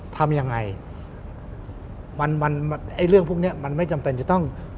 ทำยังไงมันมันไอ้เรื่องพวกเนี้ยมันไม่จำเป็นจะต้อง